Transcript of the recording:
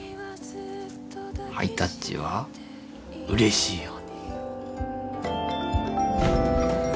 ハイタッチはうれしいよ。